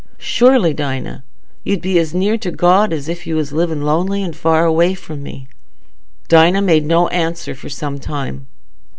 Surely, Dinah, you'd be as near to God as if you was living lonely and away from me." Dinah made no answer for some time.